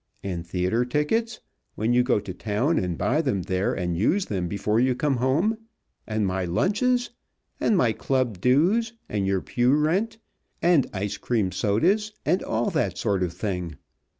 And theater tickets, when you go to town and buy them there and use them before you come home. And my lunches. And my club dues. And your pew rent. And ice cream sodas. And all that sort of thing.